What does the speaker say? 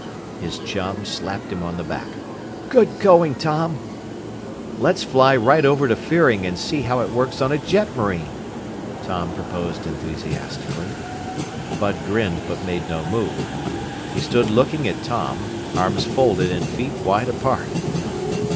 His chum slapped him on the back. "Good going, Tom!" "Let's fly right over to Fearing and see how it works on a jetmarine!" Tom proposed enthusiastically. Bud grinned but made no move. He stood looking at Tom, arms folded and feet wide apart.